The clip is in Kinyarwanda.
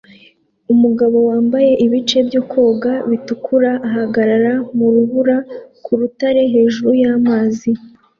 Umugabo wambaye ibice byo koga bitukura ahagarara mu rubura ku rutare hejuru y’amazi